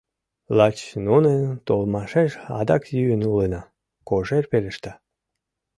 — Лач нунын толмашеш адак йӱын улына, — Кожер пелешта.